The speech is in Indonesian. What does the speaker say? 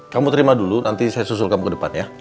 kamu terima dulu nanti saya susul kamu ke depan ya